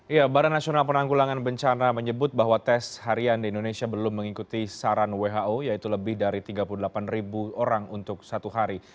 ya badan nasional penanggulangan bencana menyebut bahwa tes harian di indonesia belum mengikuti saran who yaitu lebih dari tiga puluh delapan orang untuk satu hari